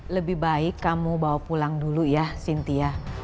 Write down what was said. lebih baik kamu bawa pulang dulu ya cynthia